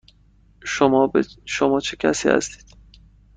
شما چه کسی هستید؟